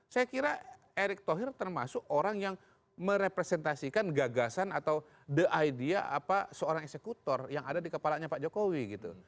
saya kira erick thohir termasuk orang yang merepresentasikan gagasan atau the idea seorang eksekutor yang ada di kepalanya pak jokowi gitu